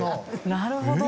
なるほど。